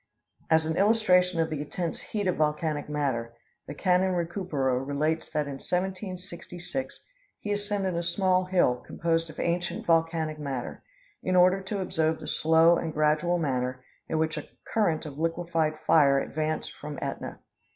As an illustration of the intense heat of volcanic matter, the Canon Recupero relates that in 1766 he ascended a small hill composed of ancient volcanic matter, in order to observe the slow and gradual manner in which a current of liquid fire advanced from Ætna.